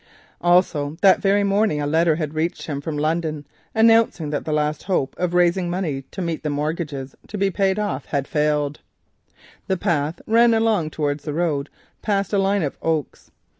Also that very morning a letter had reached him from London announcing that the last hope of raising money to meet the mortgages had failed. The path ran along towards the road past a line of oaks.